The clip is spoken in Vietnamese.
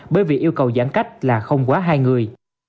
bởi vì yêu cầu giãn cách là không quá hai người